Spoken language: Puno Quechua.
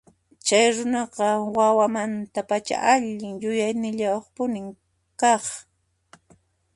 Chay runaqa wawamantapacha allin yuyaynillayuqpuni kaq.